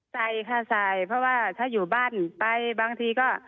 ใส่ค่ะใส่เพราะว่าถ้าอยู่บ้านไปบางทีก็